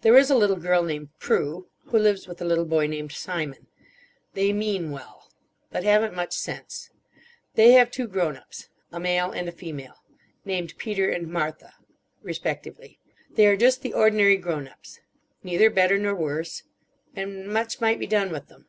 "There is a little girl named Prue. Who lives with a little boy named Simon. They mean well. But haven't much sense. They have two grown ups. A male and a female. Named Peter and Martha. Respectively. They are just the ordinary grown ups. Neither better nor worse. And much might be done with them.